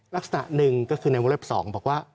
ลักษณะหนึ่งก็คือในวงเล็บ๒บอกว่า